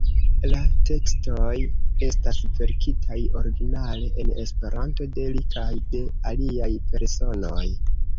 La tekstoj estas verkitaj originale en Esperanto de li kaj de aliaj personoj.